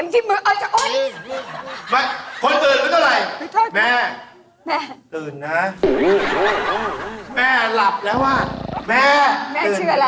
อ่ะทีนี้จะเป่านลูกหวีนแล้วนะแม่นะ